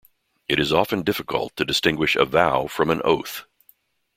It is often difficult to distinguish a vow from an oath.